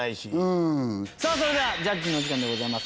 それではジャッジの時間でございます。